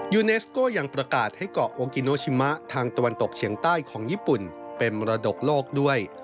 เนสโก้ยังประกาศให้เกาะโอกินิมะทางตะวันตกเฉียงใต้ของญี่ปุ่นเป็นมรดกโลกด้วย